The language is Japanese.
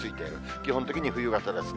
基本的に冬型ですね。